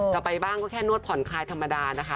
จะไปบ้างก็แค่นวดผ่อนคลายธรรมดานะคะ